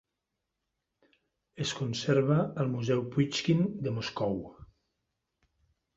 Es conserva al Museu Puixkin de Moscou.